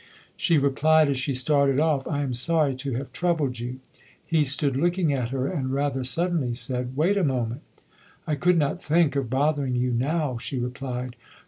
She replied as she started off, "I am sorry to have troubled you". He stood looking at her and rather suddenly said, "Wait a moment". "I could not think of bothering you now", she replied.